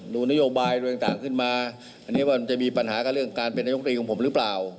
ดูนโยบายตัวอย่างต่างขึ้นมาอันนี้ว่ามันจะมีปัญหาก็เรื่องการเป็นนโยคทีของผมรึเปล่า